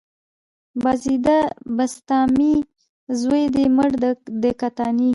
بايزيده بسطامي، زوى دې مړ د کتاني